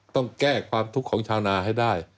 ต้องแก้ความทุกข์ของชาวนาให้ได้